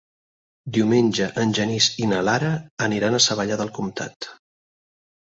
Diumenge en Genís i na Lara aniran a Savallà del Comtat.